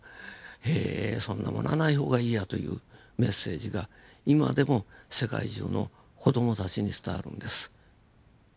えそんなものはない方がいいやというメッセージが今でも世界中の子供たちに伝わるんです。